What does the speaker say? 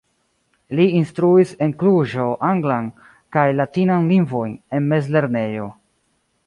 Li instruis en Kluĵo anglan kaj latinan lingvojn en mezlernejo.